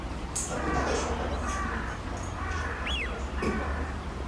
তখন তাদের সরকার গঠনের সম্ভাবনার কথা বিশ্লেষকদের অগ্রাহ্য করা সম্ভবপর হতো না।